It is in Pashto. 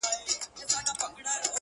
ستا د ژبې کيفيت او معرفت دی ـ